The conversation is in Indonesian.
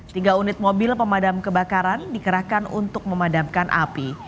tiga unit mobil pemadam kebakaran dikerahkan untuk memadamkan api